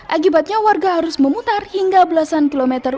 akibatnya warga harus memutar hingga belasan kilometer